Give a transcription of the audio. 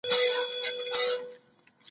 مونږ ته هر ملک تلک دی چې زمونږ په سر روپۍ خوري